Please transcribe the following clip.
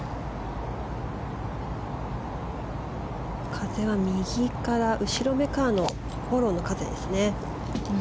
風は右から後ろめからのフォローの風ですね。